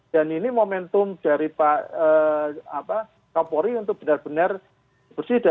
dan ini momentum dari pak kapolri untuk benar benar bersih dan berhubungan